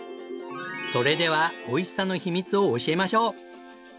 それではおいしさの秘密を教えましょう。